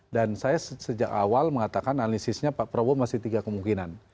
dan saya sejak awal mengatakan analisisnya pak prabowo masih tiga kemungkinan